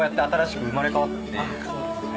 そうですね。